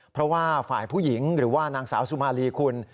เพราะว่าฝ่ายผู้หญิงหรือว่านางสาวสุมารีคุณ